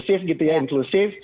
jangan eksklusif gitu ya inklusif